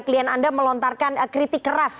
klien anda melontarkan kritik keras